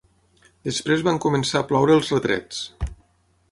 Després van començar a ploure els retrets.